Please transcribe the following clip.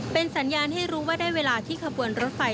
เป็นสัญญาณให้รู้ว่าได้เวลาที่ขบวนรถไฟ